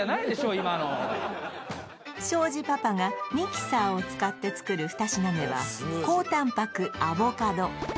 今の庄司パパがミキサーを使って作る２品目は高タンパクアボカド